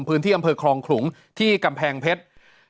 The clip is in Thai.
พื้นที่อำเภอคลองขลุงที่กำแพงเพชร